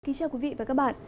kính chào quý vị và các bạn